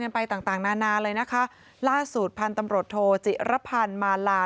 ไปต่างต่างนานาเลยนะคะล่าสุดพันธุ์ตำรวจโทจิรพันธ์มาลา